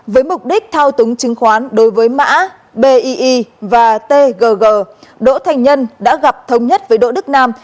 với mục đích thao túng trứng khoán đối với mã bii và tgg đỗ thành nhân đã gặp thống nhất với đỗ đức nam